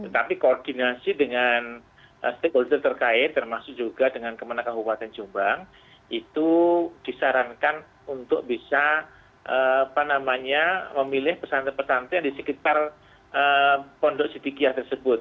tapi koordinasi dengan stakeholder terkait termasuk juga dengan kemenang kabupaten jombang itu disarankan untuk bisa memilih pesantren pesantren di sekitar pondok sidikiah tersebut